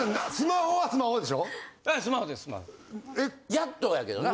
やっとやけどな。